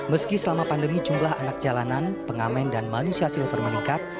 meski selama pandemi jumlah anak jalanan pengamen dan manusia silver meningkat